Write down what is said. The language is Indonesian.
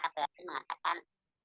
dan anggota kpu ri mengatakan